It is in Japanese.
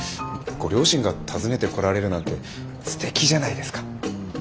ご両親が訪ねてこられるなんてすてきじゃないですか。